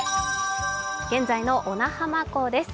現在の小名浜港です。